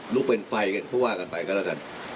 ลูกเป็นไฟกันก็ว่ากันไปก็แล้วกัน